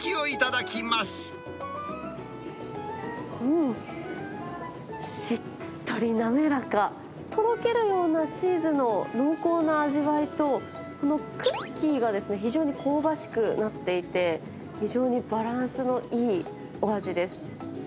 では、しっとり滑らか、とろけるようなチーズの濃厚な味わいと、このクッキーがですね、非常に香ばしくなっていて、非常にバランスのいいお味です。